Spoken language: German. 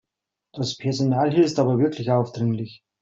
Das Personal ist hier aber wirklich aufdringlich.